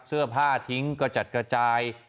เสื้อผ้าทิ้งก็จัดกระจาย